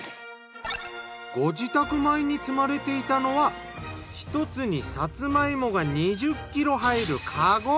ご自宅前に積まれていたのは１つにさつま芋が２０ｋｇ入るカゴ。